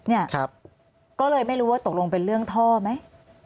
เนี่ยก็เลยไม่รู้ว่าตกลงเป็นเรื่องท่อไหม